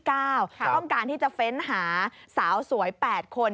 ต้องการที่จะเฟ้นหาสาวสวย๘คน